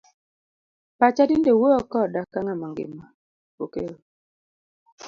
Pacha tinde wuoyo koda ka ng'ama ngima, Kipokeo.